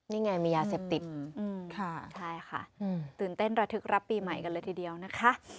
นี่ไงมียาเสพติดใช่ค่ะตื่นเต้นระทึกรับปีใหม่กันเลยทีเดียวนะคะ